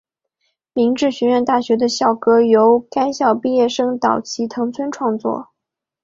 明治学院大学的校歌由该校毕业生岛崎藤村创作。